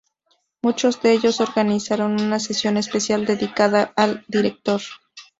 Muchos de ellos organizaron una sesión especial dedicada al director.